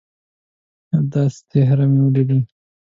یوه داسي څهره مې ولیده